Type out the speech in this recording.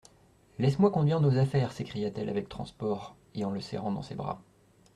Laisse-moi conduire nos affaires, s'écria-t-elle avec transport, et en le serrant dans ses bras.